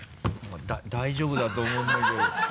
大丈夫だと思うんだけど。